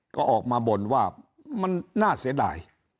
ก็ออกมาบ่นว่ามันน่าเสียดาย